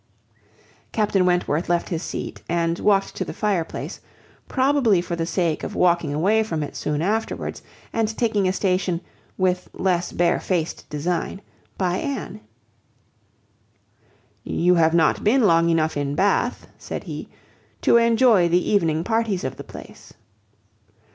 Captain Wentworth left his seat, and walked to the fire place; probably for the sake of walking away from it soon afterwards, and taking a station, with less bare faced design, by Anne. "You have not been long enough in Bath," said he, "to enjoy the evening parties of the place."